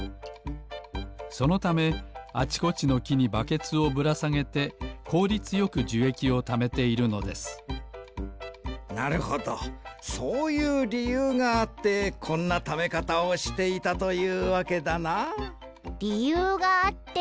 そのためあちこちのきにバケツをぶらさげてこうりつよくじゅえきをためているのですなるほどそういうりゆうがあってこんなためかたをしていたというわけだな。